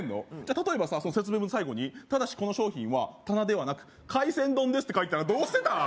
例えばさその説明文の最後にただしこの商品は棚ではなく海鮮丼ですって書いてたらどうしてたん？